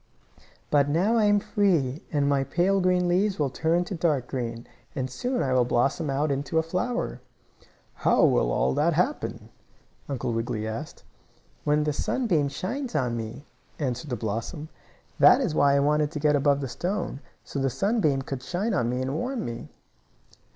"But now I am free, and my pale green leaves will turn to dark green, and soon I will blossom out into a flower." "How will all that happen?" Uncle Wiggily asked. "When the sunbeam shines on me," answered the blossom. "That is why I wanted to get above the stone so the sunbeam could shine on me and warm me."